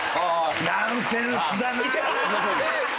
ナンセンスだなあ！